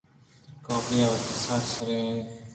کافءَ وتی سر سُرینت